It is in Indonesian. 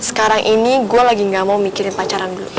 sekarang ini gue lagi gak mau mikirin pacaran dulu